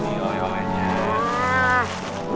tuh pegang doang bahannya alus kan